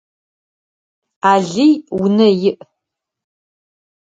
Алый унэ иӏ.